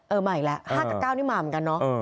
เออมาอีกแล้วห้ากับเก้านี่มาเหมือนกันเนอะ